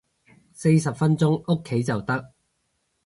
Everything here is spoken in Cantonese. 四十分鐘屋企就得